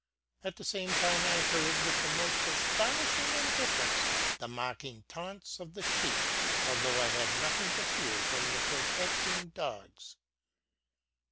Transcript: At the same time I heard, with the most astonishing indiffer ence, the mocking taunts of a sheep, although I had nothing to fear from protecting dogs."